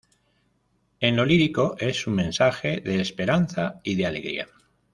En lo lírico es un mensaje de esperanza y de alegría.